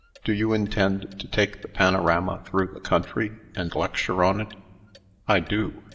"Do you intend to take the panorama through the country, and lecture on it?" "I do.